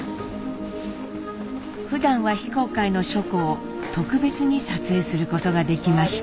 ふだんは非公開の書庫を特別に撮影することができました。